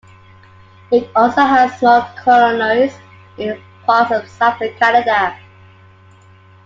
It also has small colonies in parts of southern Canada.